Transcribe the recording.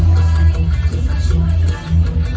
มันเป็นเมื่อไหร่แล้ว